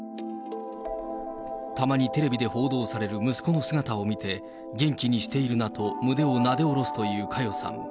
たまにテレビで報道される息子の姿を見て、元気にしているなと胸をなで下ろすという佳代さん。